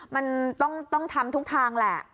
มันต้องทำทุกทางแหละ